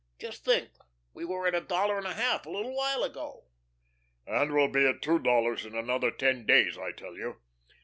Just think, we were at a dollar and a half a little while ago." "And we'll be at two dollars in another ten days, I tell you."